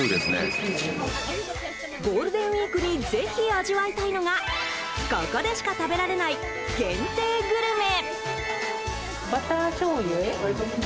ゴールデンウィークにぜひ味わいたいのがここでしか食べられない限定グルメ。